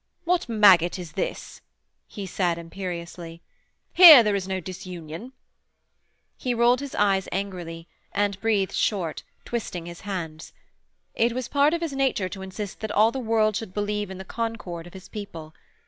'What maggot is this?' he said imperiously. 'Here there is no disunion.' He rolled his eyes angrily and breathed short, twisting his hands. It was part of his nature to insist that all the world should believe in the concord of his people.